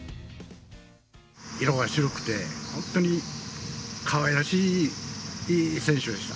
色が白くて本当にかわいらしい、いい選手でした。